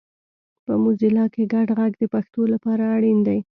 په موزیلا کې ګډ غږ د پښتو لپاره اړین دی